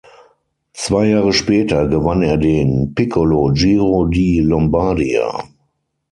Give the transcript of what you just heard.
Zwei Jahre später gewann er den Piccolo Giro di Lombardia.